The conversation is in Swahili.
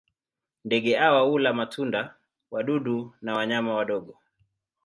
Ndege hawa hula matunda, wadudu na wanyama wadogo.